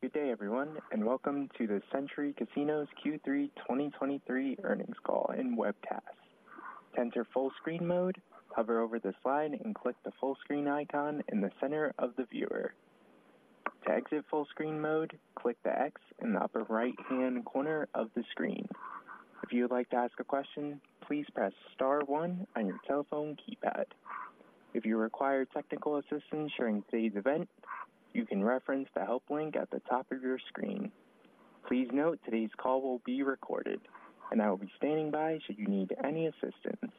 Good day, everyone, and welcome to the Century Casinos Q3 2023 Earnings Call and Webcast. To enter full screen mode, hover over the slide and click the full screen icon in the center of the viewer. To exit full screen mode, click the X in the upper right-hand corner of the screen. If you would like to ask a question, please press star one on your telephone keypad. If you require technical assistance during today's event, you can reference the help link at the top of your screen. Please note, today's call will be recorded, and I will be standing by should you need any assistance.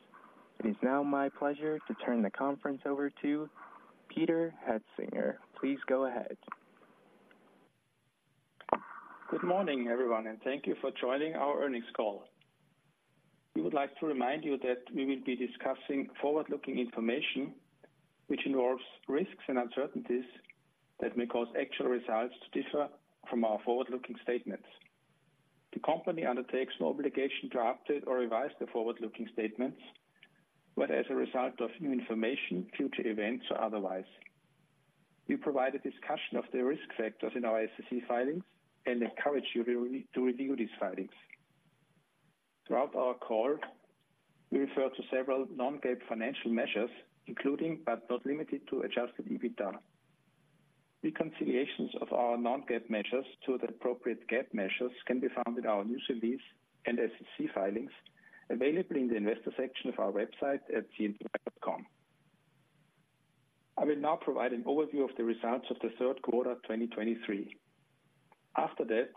It is now my pleasure to turn the conference over to Peter Hoetzinger. Please go ahead. Good morning, everyone, and thank you for joining our earnings call. We would like to remind you that we will be discussing forward-looking information, which involves risks and uncertainties that may cause actual results to differ from our forward-looking statements. The company undertakes no obligation to update or revise the forward-looking statements, whether as a result of new information, future events, or otherwise. We provide a discussion of the risk factors in our SEC filings and encourage you to review these filings. Throughout our call, we refer to several non-GAAP financial measures, including, but not limited to, adjusted EBITDA. Reconciliations of our non-GAAP measures to the appropriate GAAP measures can be found in our news release and SEC filings, available in the investor section of our website at centurycasinos.com. I will now provide an overview of the results of the third quarter, 2023. After that,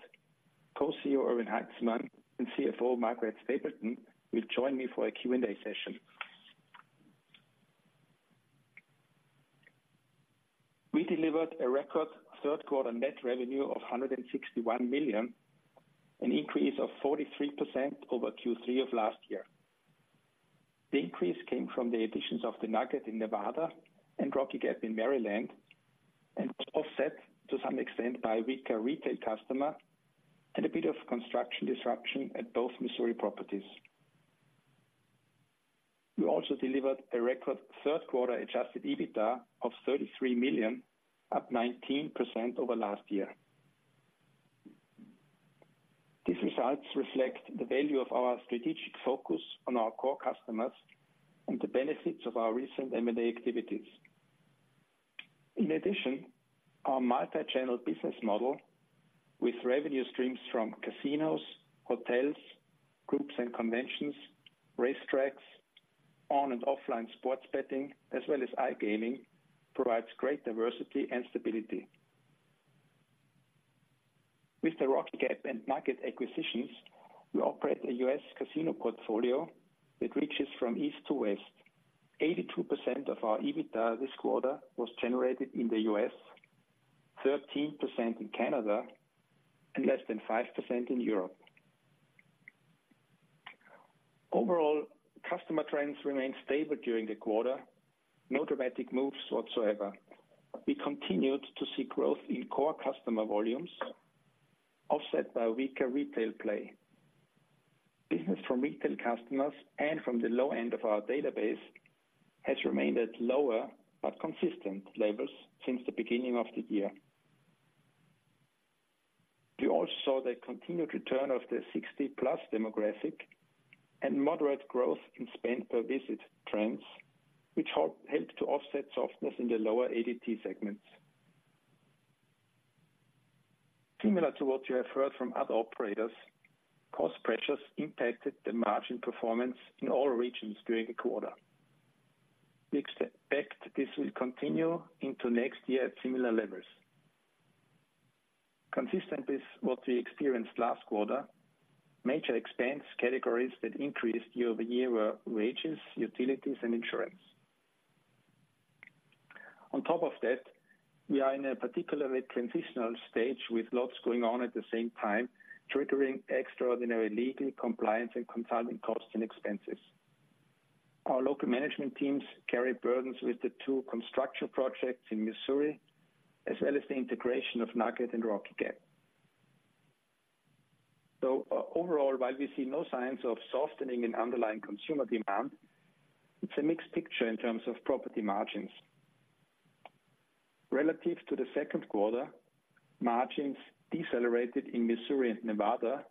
Co-CEO Erwin Haitzmann and CFO Margaret Stapleton will join me for a Q&A session. We delivered a record third quarter net revenue of $161 million, an increase of 43% over Q3 of last year. The increase came from the additions of the Nugget in Nevada and Rocky Gap in Maryland, and was offset to some extent by weaker retail customer and a bit of construction disruption at both Missouri properties. We also delivered a record third quarter adjusted EBITDA of $33 million, up 19% over last year. These results reflect the value of our strategic focus on our core customers and the benefits of our recent M&A activities. In addition, our multi-channel business model with revenue streams from casinos, hotels, groups and conventions, racetracks, on and offline sports betting, as well as iGaming, provides great diversity and stability. With the Rocky Gap and Mountaineer acquisitions, we operate a U.S. casino portfolio that reaches from east to west. 82% of our EBITDA this quarter was generated in the U.S., 13% in Canada, and less than 5% in Europe. Overall, customer trends remained stable during the quarter, no dramatic moves whatsoever. We continued to see growth in core customer volumes, offset by weaker retail play. Business from retail customers and from the low end of our database has remained at lower but consistent levels since the beginning of the year. We also saw the continued return of the 60+ demographic and moderate growth in spend per visit trends, which help, helped to offset softness in the lower ADT segments. Similar to what you have heard from other operators, cost pressures impacted the margin performance in all regions during the quarter. We expect this will continue into next year at similar levels. Consistent with what we experienced last quarter, major expense categories that increased year-over-year were wages, utilities, and insurance. On top of that, we are in a particularly transitional stage with lots going on at the same time, triggering extraordinary legal, compliance, and consulting costs and expenses. Our local management teams carry burdens with the two construction projects in Missouri, as well as the integration of Nugget and Rocky Gap. So overall, while we see no signs of softening in underlying consumer demand, it's a mixed picture in terms of property margins. Relative to the second quarter, margins decelerated in Missouri and Nevada,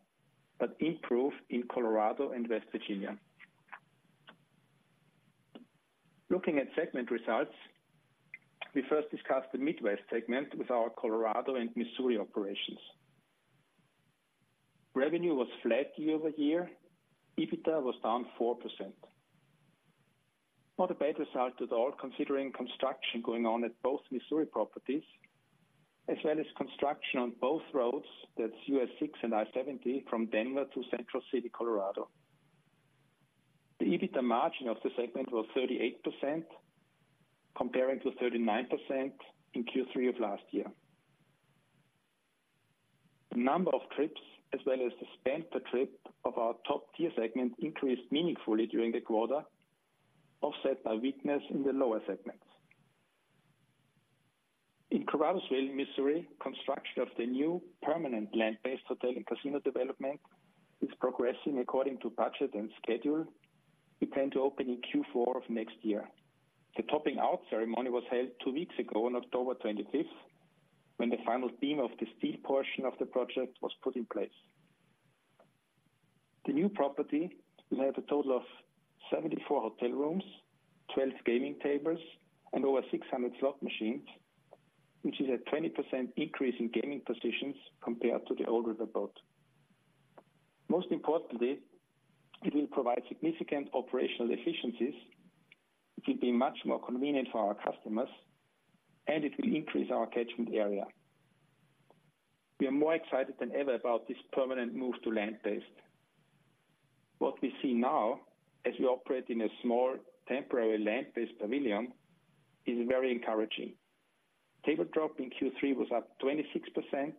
but improved in Colorado and West Virginia. Looking at segment results, we first discussed the Midwest segment with our Colorado and Missouri operations. Revenue was flat year-over-year. EBITDA was down 4%. Not a bad result at all, considering construction going on at both Missouri properties, as well as construction on both roads, that's U.S. 6 and I-70, from Denver to Central City, Colorado. The EBITDA margin of the segment was 38%, comparing to 39% in Q3 of last year. The number of trips, as well as the spend per trip of our top tier segment, increased meaningfully during the quarter, offset by weakness in the lower segments. In Caruthersville, Missouri, construction of the new permanent land-based hotel and casino development is progressing according to budget and schedule. We plan to open in Q4 of next year. The topping out ceremony was held two weeks ago, on October 25th, when the final beam of the steel portion of the project was put in place. The new property will have a total of 74 hotel rooms, 12 gaming tables, and over 600 slot machines, which is a 20% increase in gaming positions compared to the old riverboat. Most importantly, it will provide significant operational efficiencies, it will be much more convenient for our customers, and it will increase our catchment area. We are more excited than ever about this permanent move to land-based. What we see now, as we operate in a small, temporary land-based pavilion, is very encouraging. Table drop in Q3 was up 26%,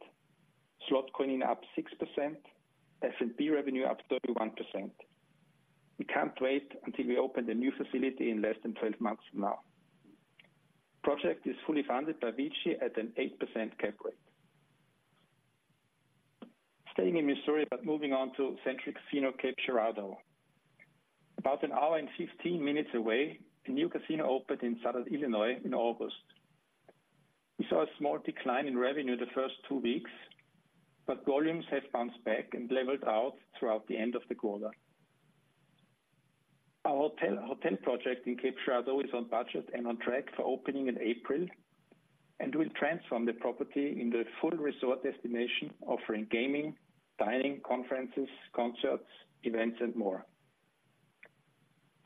slot coin-in up 6%, F&B revenue up 31%. We can't wait until we open the new facility in less than 12 months from now. Project is fully funded by VICI at an 8% cap rate. Staying in Missouri, but moving on to Century Casino Cape Girardeau. About an hour and 15 minutes away, a new casino opened in southern Illinois in August. We saw a small decline in revenue the first two weeks, but volumes have bounced back and leveled out throughout the end of the quarter. Our hotel, hotel project in Cape Girardeau is on budget and on track for opening in April, and will transform the property into a full resort destination, offering gaming, dining, conferences, concerts, events, and more.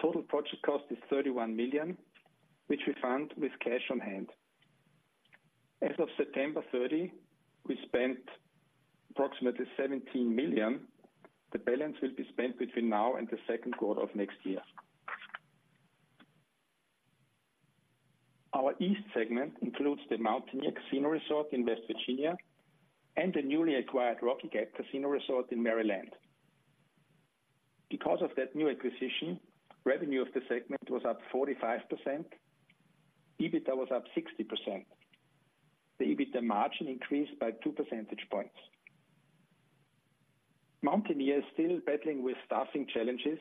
Total project cost is $31 million, which we fund with cash on hand. As of September 30, we spent approximately $17 million. The balance will be spent between now and the second quarter of next year. Our East segment includes the Mountaineer Casino Resort in West Virginia and the newly acquired Rocky Gap Casino Resort in Maryland.Because of that new acquisition, revenue of the segment was up 45%, EBITDA was up 60%. The EBITDA margin increased by 2% points. Mountaineer is still battling with staffing challenges,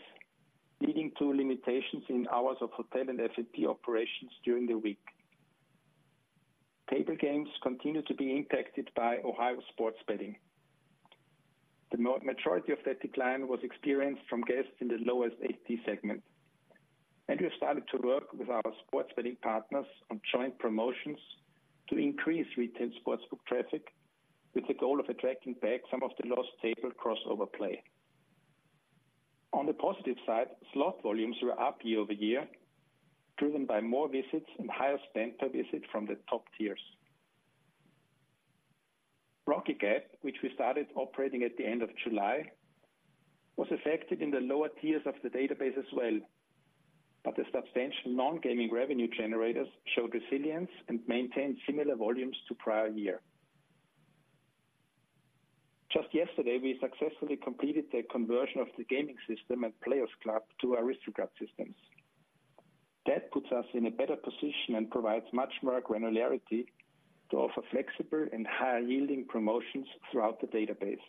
leading to limitations in hours of hotel and F&B operations during the week. Table games continue to be impacted by Ohio sports betting. The majority of that decline was experienced from guests in the lowest ADT segment, and we have started to work with our sports betting partners on joint promotions to increase retail sportsbook traffic, with the goal of attracting back some of the lost table crossover play. On the positive side, slot volumes were up year-over-year, driven by more visits and higher spend per visit from the top tiers. Rocky Gap, which we started operating at the end of July, was affected in the lower tiers of the database as well, but the substantial non-gaming revenue generators showed resilience and maintained similar volumes to prior year. Just yesterday, we successfully completed the conversion of the gaming system and Players Club to Aristocrat systems. That puts us in a better position and provides much more granularity to offer flexible and higher-yielding promotions throughout the database.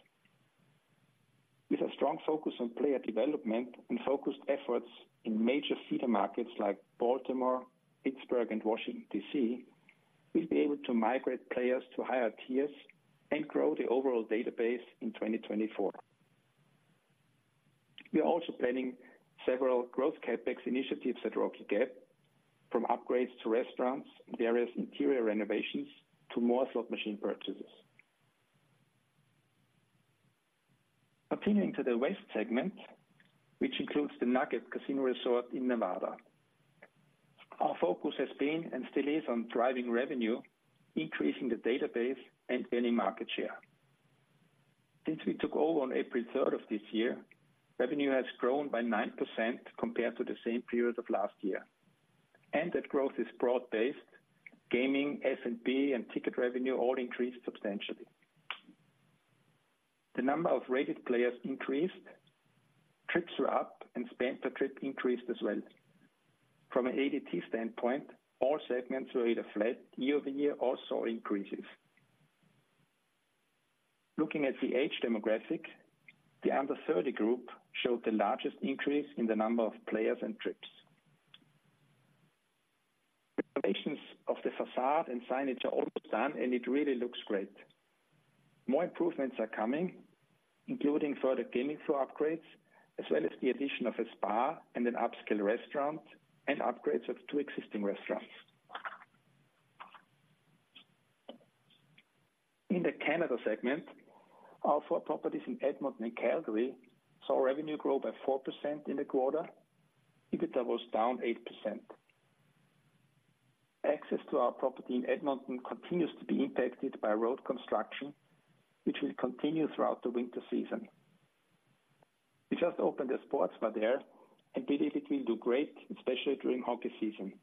With a strong focus on player development and focused efforts in major feeder markets like Baltimore, Pittsburgh, and Washington, D.C., we'll be able to migrate players to higher tiers and grow the overall database in 2024. We are also planning several growth CapEx initiatives at Rocky Gap, from upgrades to restaurants, various interior renovations, to more slot machine purchases. Continuing to the West segment, which includes the Nugget Casino Resort in Nevada.Our focus has been, and still is, on driving revenue, increasing the database, and gaining market share. Since we took over on April 3 of this year, revenue has grown by 9% compared to the same period of last year, and that growth is broad-based. Gaming, F&B, and ticket revenue all increased substantially. The number of rated players increased, trips were up, and spend per trip increased as well. From an ADT standpoint, all segments were either flat year-over-year or saw increases. Looking at the age demographic, the under 30 group showed the largest increase in the number of players and trips. Renovations of the facade and signage are almost done, and it really looks great. More improvements are coming, including further gaming floor upgrades, as well as the addition of a spa and an upscale restaurant, and upgrades of two existing restaurants.In the Canada segment, our four properties in Edmonton and Calgary saw revenue grow by 4% in the quarter. EBITDA was down 8%. Access to our property in Edmonton continues to be impacted by road construction, which will continue throughout the winter season. We just opened a sports bar there, and we believe it will do great, especially during hockey season.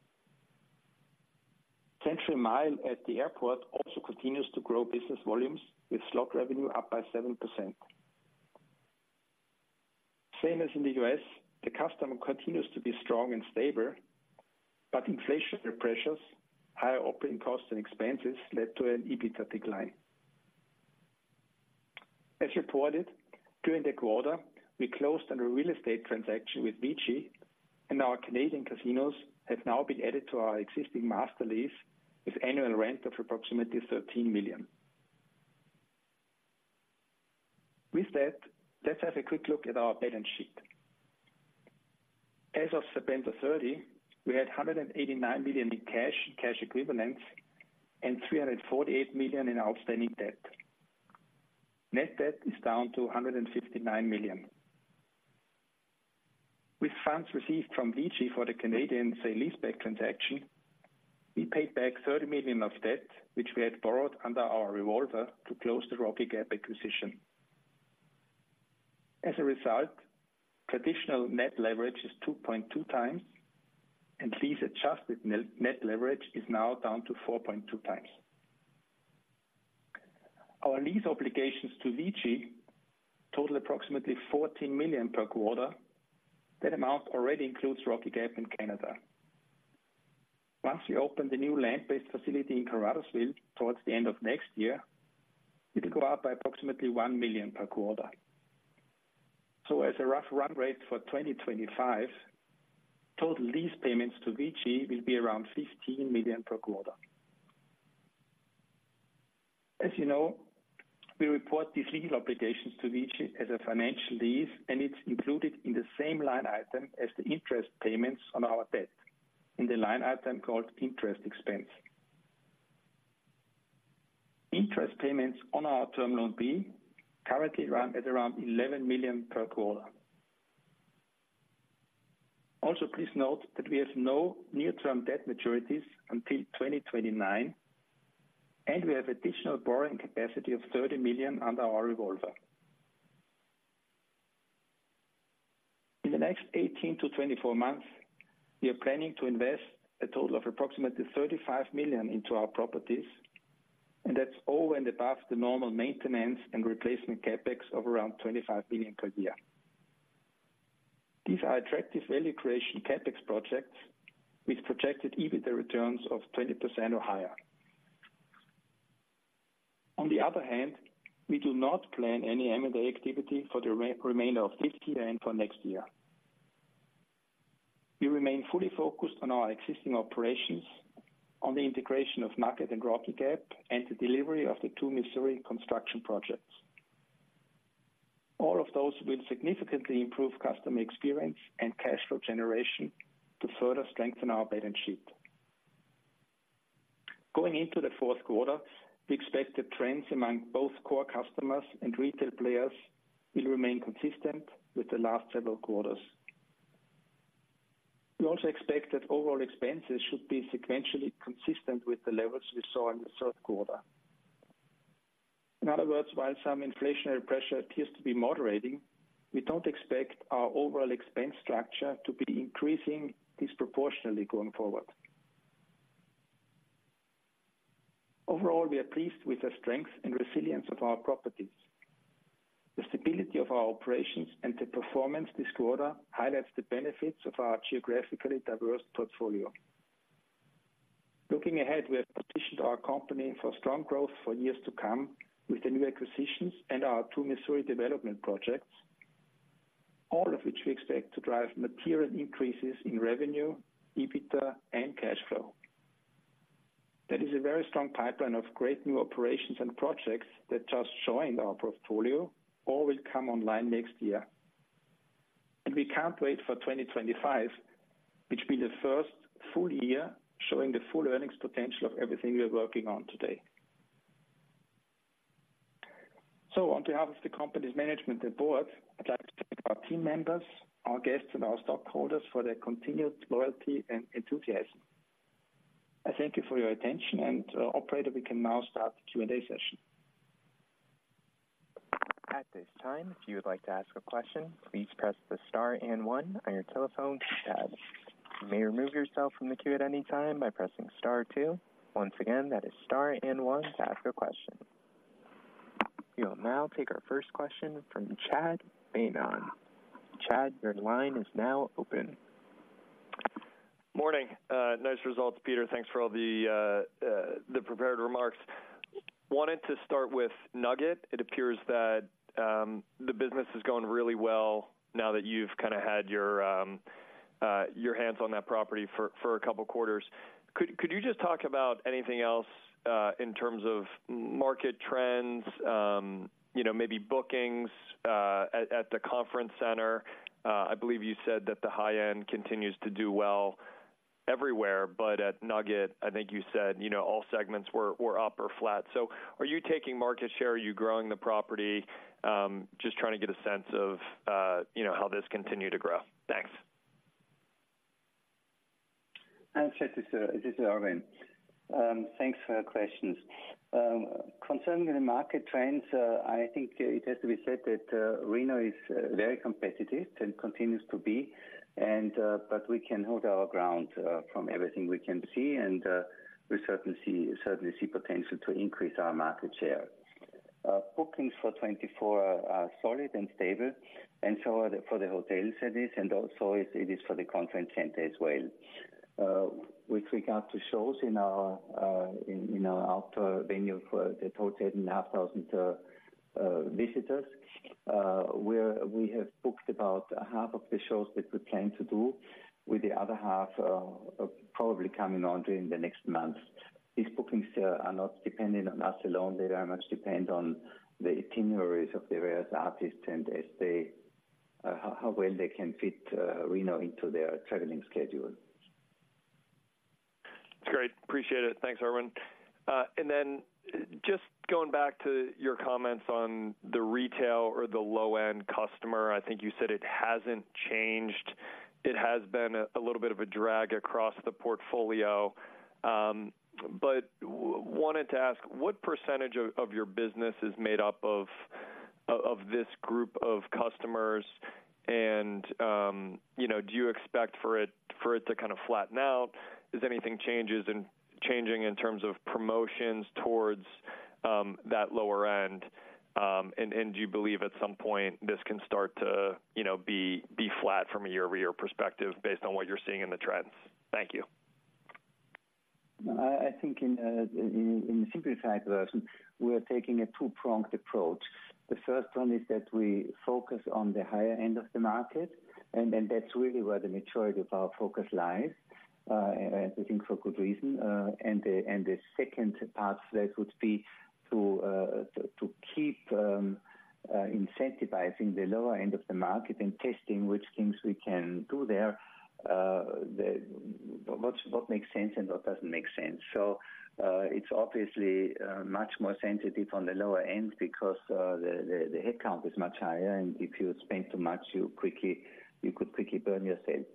Century Mile at the airport also continues to grow business volumes with slot revenue up by 7%. Same as in the U.S., the customer continues to be strong and stable, but inflationary pressures, higher operating costs and expenses led to an EBITDA decline. As reported, during the quarter, we closed on a real estate transaction with VICI, and our Canadian casinos have now been added to our existing master lease with annual rent of approximately $13 million. With that, let's have a quick look at our balance sheet. As of September 30, we had $189 million in cash, cash equivalents, and $348 million in outstanding debt. Net debt is down to $159 million. With funds received from VICI for the Canadian sale-leaseback transaction, we paid back $30 million of debt, which we had borrowed under our revolver to close the Rocky Gap acquisition. As a result, traditional net leverage is 2.2x, and lease-adjusted net, net leverage is now down to 4.2x. Our lease obligations to VICI total approximately $14 million per quarter. That amount already includes Rocky Gap and Canada. Once we open the new land-based facility in Caruthersville towards the end of next year, it'll go up by approximately $1 million per quarter. So as a rough run rate for 2025, total lease payments to VICI will be around $15 million per quarter. As you know, we report these legal obligations to VICI as a financial lease, and it's included in the same line item as the interest payments on our debt, in the line item called interest expense. Interest payments on our Term Loan B currently run at around $11 million per quarter. Also, please note that we have no near-term debt maturities until 2029, and we have additional borrowing capacity of $30 million under our revolver. In the next 18-24 months, we are planning to invest a total of approximately $35 million into our properties, and that's over and above the normal maintenance and replacement CapEx of around $25 million per year. These are attractive value creation CapEx projects, with projected EBITDA returns of 20% or higher. On the other hand, we do not plan any M&A activity for the remainder of this year and for next year. We remain fully focused on our existing operations, on the integration of Nugget and Rocky Gap, and the delivery of the two Missouri construction projects. All of those will significantly improve customer experience and cash flow generation to further strengthen our balance sheet. Going into the fourth quarter, we expect the trends among both core customers and retail players will remain consistent with the last several quarters. We also expect that overall expenses should be sequentially consistent with the levels we saw in the third quarter. In other words, while some inflationary pressure appears to be moderating, we don't expect our overall expense structure to be increasing disproportionately going forward. Overall, we are pleased with the strength and resilience of our properties. The stability of our operations and the performance this quarter highlights the benefits of our geographically diverse portfolio. Looking ahead, we have positioned our company for strong growth for years to come with the new acquisitions and our two Missouri development projects, all of which we expect to drive material increases in revenue, EBITDA, and cash flow. That is a very strong pipeline of great new operations and projects that just joined our portfolio or will come online next year. We can't wait for 2025, which will be the first full year showing the full earnings potential of everything we are working on today. On behalf of the company's management and board, I'd like to thank our team members, our guests, and our stockholders for their continued loyalty and enthusiasm.I thank you for your attention, and, operator, we can now start the Q&A session. At this time, if you would like to ask a question, please press the star and one on your telephone keypad. You may remove yourself from the queue at any time by pressing star two. Once again, that is star and one to ask a question. We will now take our first question from Chad Beynon. Chad, your line is now open. Morning. Nice results, Peter. Thanks for all the prepared remarks. Wanted to start with Nugget. It appears that the business is going really well now that you've kind of had your hands on that property for a couple quarters. Could you just talk about anything else in terms of market trends, you know, maybe bookings at the conference center? I believe you said that the high end continues to do well everywhere, but at Nugget, I think you said, you know, all segments were up or flat. So are you taking market share? Are you growing the property? Just trying to get a sense of, you know, how this continued to grow. Thanks. Chad, this is Erwin. Thanks for your questions. Concerning the market trends, I think it has to be said that Reno is very competitive and continues to be, but we can hold our ground from everything we can see, and we certainly see potential to increase our market share. Bookings for 2024 are solid and stable, and so are they for the hotel stays, and also it is for the conference center as well. With regard to shows in our outdoor venue for that total 10,500 visitors, we have booked about half of the shows that we plan to do, with the other half probably coming on during the next month. These bookings are not dependent on us alone. They very much depend on the itineraries of the various artists and how well they can fit Reno into their traveling schedule. It's great. Appreciate it. Thanks, Erwin. And then just going back to your comments on the retail or the low-end customer, I think you said it hasn't changed. It has been a little bit of a drag across the portfolio, but wanted to ask, what percentage of your business is made up of this group of customers? And, you know, do you expect for it to kind of flatten out? Is anything changing in terms of promotions towards that lower end? And do you believe at some point this can start to, you know, be flat from a year-over-year perspective based on what you're seeing in the trends? Thank you. I think in the simplified version, we are taking a two-pronged approach. The first one is that we focus on the higher end of the market, and that's really where the majority of our focus lies, and I think for good reason. And the second part, that would be to keep incentivizing the lower end of the market and testing which things we can do there, what makes sense and what doesn't make sense. So, it's obviously much more sensitive on the lower end because the headcount is much higher, and if you spend too much, you could quickly burn yourself.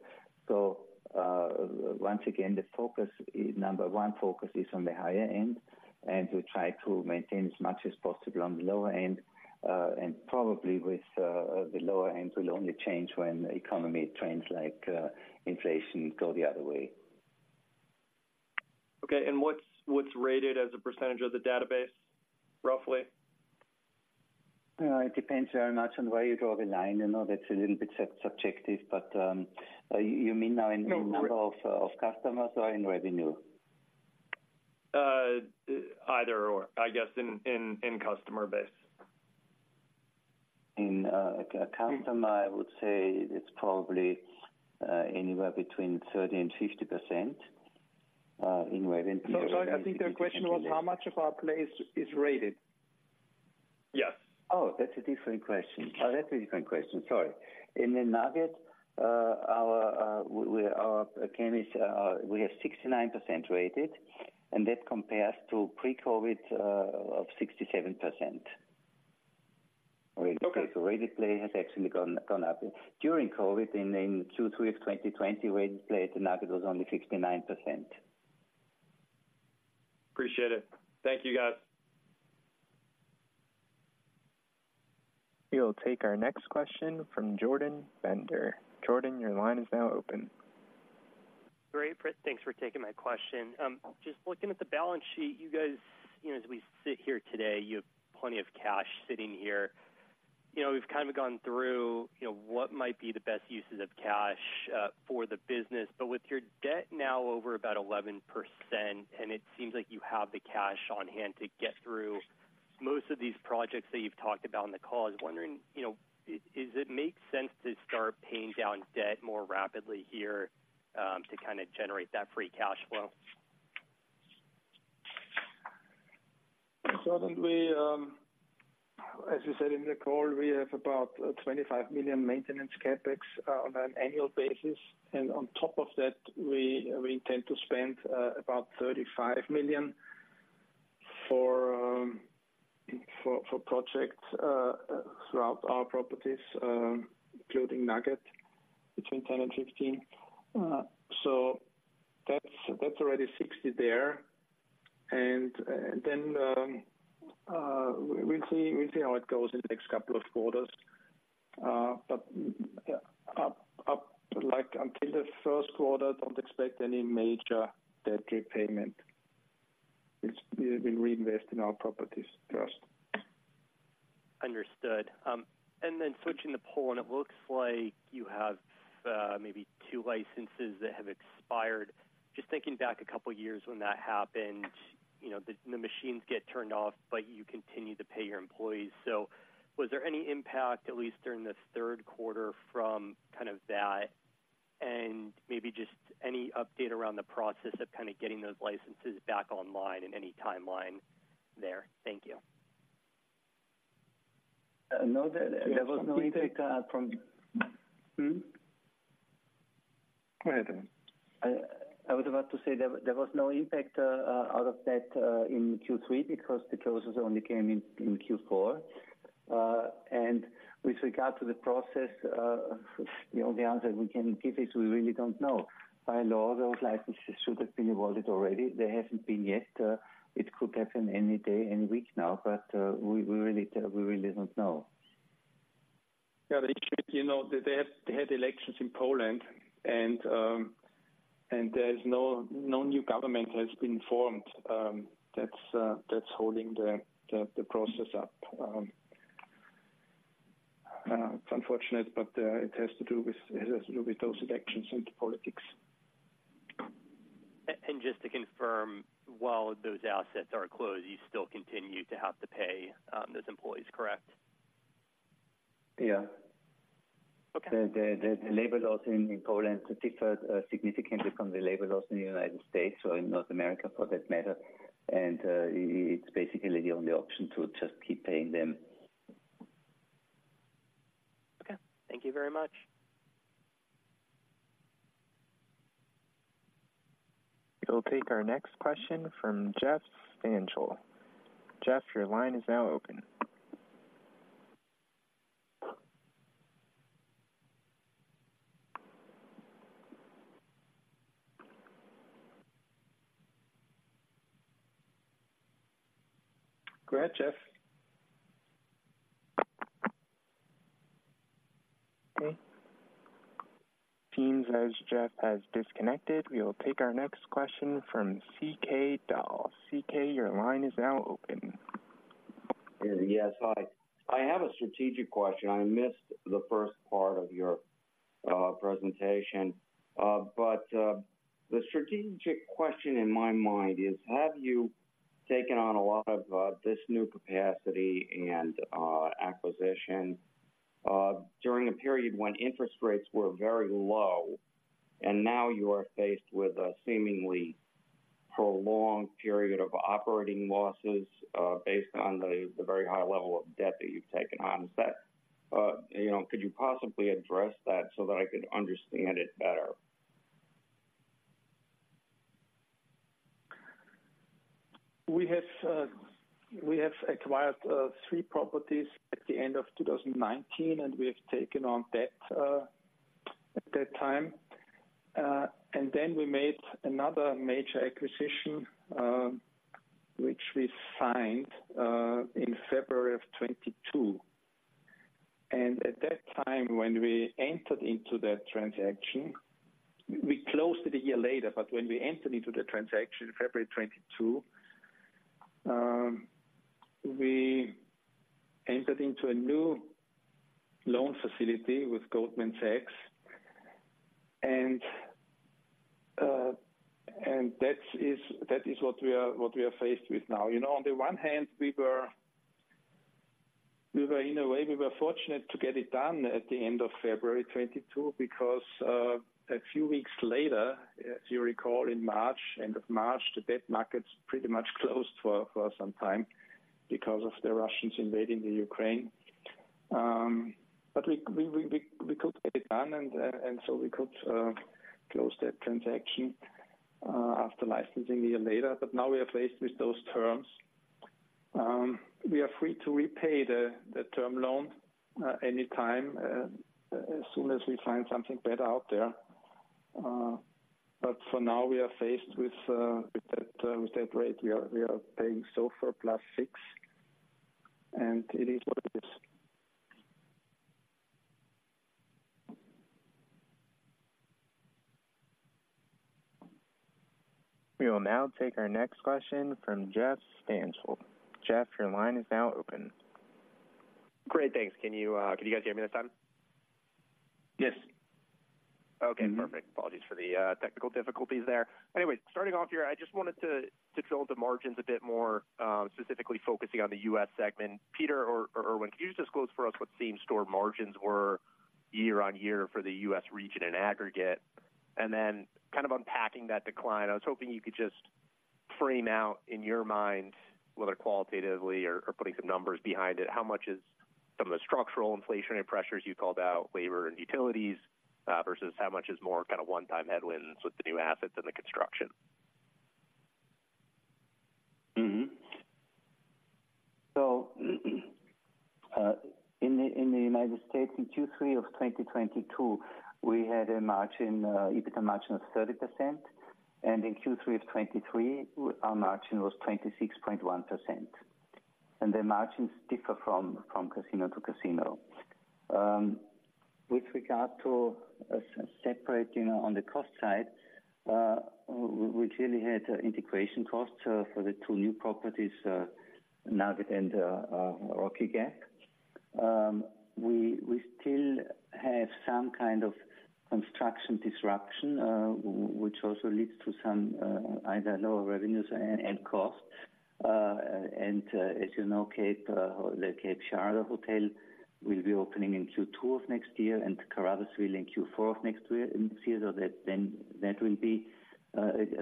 So, once again, the number one focus is on the higher end, and we try to maintain as much as possible on the lower end, and probably the lower end will only change when the economy trends, like inflation, go the other way. Okay, and what's rated as a percentage of the database, roughly? It depends very much on where you draw the line, you know, that's a little bit subjective, but, you mean now in number of customers or in revenue? Either or, I guess in customer base. In a customer, I would say it's probably anywhere between 30% and 50% in revenue- So sorry, I think the question was how much of our play is rated. Yes. Oh, that's a different question. Oh, that's a different question. Sorry. In the Nugget, we have 69% rated, and that compares to pre-COVID of 67%. Okay. So rated play has actually gone up. During COVID, in Q3 of 2020, rated play at Nugget was only 59%. Appreciate it. Thank you, guys. We will take our next question from Jordan Bender. Jordan, your line is now open. Great, thanks for taking my question. Just looking at the balance sheet, you guys, you know, as we sit here today, you have plenty of cash sitting here. You know, we've kind of gone through, you know, what might be the best uses of cash for the business, but with your debt now over about 11%, and it seems like you have the cash on hand to get through most of these projects that you've talked about on the call. I was wondering, you know, is it make sense to start paying down debt more rapidly here, to kind of generate that free cash flow? Certainly, as you said in the call, we have about $25 million maintenance CapEx on an annual basis, and on top of that, we intend to spend about $35 million for projects throughout our properties, including Nugget, between $10 million and $15 million. So that's already $60 million there. And then, we'll see how it goes in the next couple of quarters. But like, until the first quarter, don't expect any major debt repayment. It's, we reinvest in our properties first. Understood. And then switching to Poland, it looks like you have maybe two licenses that have expired. Just thinking back a couple of years when that happened, you know, the machines get turned off, but you continue to pay your employees. So was there any impact, at least during the third quarter, from kind of that? And maybe just any update around the process of kind of getting those licenses back online and any timeline there? Thank you. No, there was no impact from- Hmm? Go ahead, Erwin. I was about to say there was no impact out of that in Q3 because the closures only came in Q4. With regard to the process, you know, the answer we can give is we really don't know. By law, those licenses should have been awarded already. They haven't been yet. It could happen any day, any week now, but we really don't know. Yeah, the issue, you know, they had elections in Poland, and there's no new government has been formed. That's holding the process up. It's unfortunate, but it has to do with those elections and politics. Just to confirm, while those assets are closed, you still continue to have to pay those employees, correct? Yeah. Okay. The labor laws in Poland differ significantly from the labor laws in the United States or in North America, for that matter, and it's basically the only option to just keep paying them. Okay, thank you very much. We'll take our next question from Jeff Stantial. Jeff, your line is now open. Go ahead, Jeff. Okay. Seems as Jeff has disconnected, we will take our next question from C.K. Doll. C.K., your line is now open. Yes, hi. I have a strategic question. I missed the first part of your presentation. But, the strategic question in my mind is, have you taken on a lot of this new capacity and acquisition during a period when interest rates were very low, and now you are faced with a seemingly prolonged period of operating losses based on the very high level of debt that you've taken on? Is that, you know, could you possibly address that so that I could understand it better? We have, we have acquired three properties at the end of 2019, and we have taken on debt at that time. And then we made another major acquisition, which we signed in February of 2022. And at that time, when we entered into that transaction, we closed it a year later, but when we entered into the transaction, February 2022, we entered into a new loan facility with Goldman Sachs, and, and that is, that is what we are, what we are faced with now. You know, on the one hand, we were in a way fortunate to get it done at the end of February 2022, because a few weeks later, as you recall, in March, end of March, the debt markets pretty much closed for some time because of the Russians invading the Ukraine. But we could get it done, and so we could close that transaction after licensing a year later, but now we are faced with those terms. We are free to repay the term loan anytime as soon as we find something better out there. But for now, we are faced with that rate. We are paying SOFR plus 6, and it is what it is. We will now take our next question from Jeff Stantial. Jeff, your line is now open. Great, thanks. Can you, can you guys hear me this time? Yes. Okay, perfect. Apologies for the technical difficulties there. Anyways, starting off here, I just wanted to, to drill the margins a bit more, specifically focusing on the US segment. Peter or, or Erwin, can you just disclose for us what same-store margins were year-on-year for the US region in aggregate? And then kind of unpacking that decline, I was hoping you could just frame out, in your mind, whether qualitatively or, or putting some numbers behind it, how much is some of the structural inflationary pressures you called out, labor and utilities, versus how much is more kind of one-time headwinds with the new assets and the construction? Mm-hmm. So, in the United States, in Q3 of 2022, we had a margin, EBITDA margin of 30%, and in Q3 of 2023, our margin was 26.1%. And the margins differ from casino to casino. With regard to separating on the cost side, we really had integration costs for the two new properties, Nugget and Rocky Gap. We still have some kind of construction disruption, which also leads to some either lower revenues and costs. And, as you know, Cape, the Cape Girardeau Hotel will be opening in Q2 of next year, and Caruthersville in Q4 of next year, so that then, that will be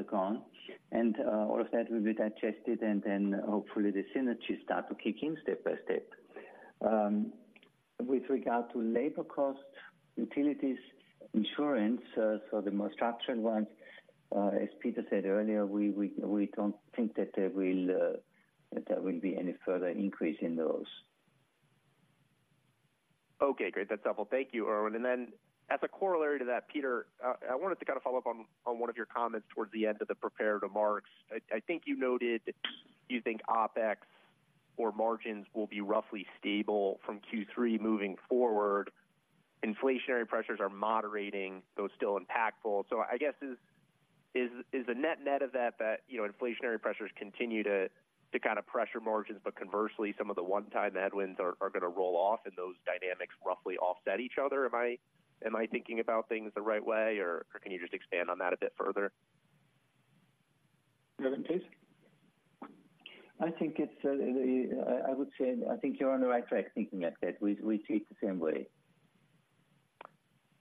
gone. All of that will be digested, and then hopefully the synergies start to kick in step by step. With regard to labor costs, utilities, insurance, so the more structured ones, as Peter said earlier, we don't think that there will be any further increase in those. Okay, great. That's helpful. Thank you, Erwin. And then as a corollary to that, Peter, I wanted to kind of follow up on one of your comments towards the end of the prepared remarks. I think you noted that you think OpEx or margins will be roughly stable from Q3 moving forward. Inflationary pressures are moderating, though still impactful. So I guess is the net-net of that, that you know, inflationary pressures continue to kind of pressure margins, but conversely, some of the one-time headwinds are going to roll off, and those dynamics roughly offset each other? Am I thinking about things the right way, or can you just expand on that a bit further? Go ahead, please. I think it's, I would say, I think you're on the right track thinking like that. We see it the same way.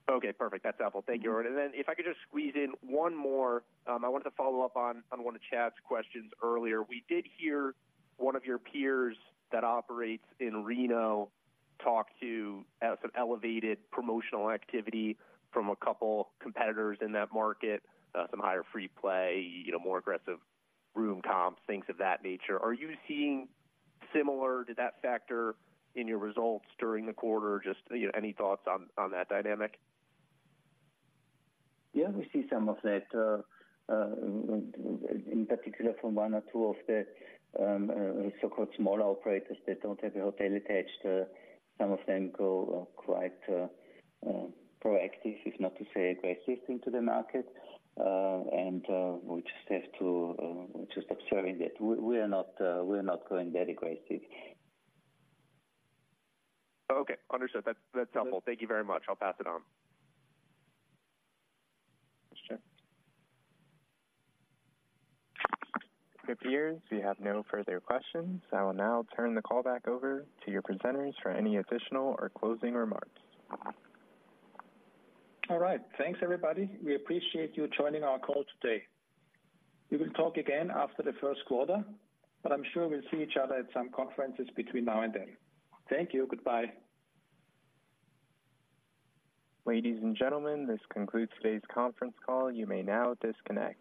Okay, perfect. That's helpful. Thank you, Erwin. And then if I could just squeeze in one more. I wanted to follow up on one of Chad's questions earlier. We did hear one of your peers that operates in Reno talk to some elevated promotional activity from a couple competitors in that market, some higher free play, you know, more aggressive room comps, things of that nature. Are you seeing similar to that factor in your results during the quarter? Just, you know, any thoughts on that dynamic? Yeah, we see some of that, in particular from one or two of the so-called smaller operators that don't have a hotel attached. Some of them go quite proactive, if not to say aggressive into the market. And we just have to, we're just observing that. We, we are not, we are not going that aggressive. Okay, understood. That's, that's helpful. Thank you very much. I'll pass it on. Sure. It appears we have no further questions. I will now turn the call back over to your presenters for any additional or closing remarks. All right. Thanks, everybody. We appreciate you joining our call today. We will talk again after the first quarter, but I'm sure we'll see each other at some conferences between now and then. Thank you. Goodbye. Ladies and gentlemen, this concludes today's conference call. You may now disconnect.